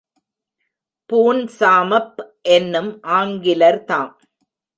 பூன்சாமப் என்னும் ஆங்கிலர் தாம்.